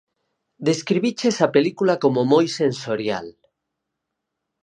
Describiches a película como moi sensorial.